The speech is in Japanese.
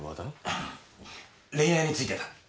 恋愛についてだ。